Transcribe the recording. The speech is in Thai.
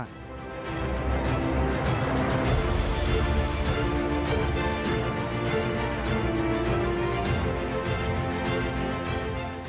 โปรดติดตามตอนต่อไป